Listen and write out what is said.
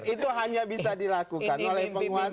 itu hanya bisa dilakukan oleh penguasa